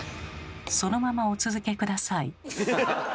そのままお続け下さい。